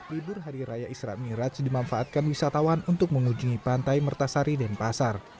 libur hari raya isra miraj dimanfaatkan wisatawan untuk mengunjungi pantai mertasari dan pasar